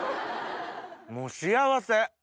もう幸せ！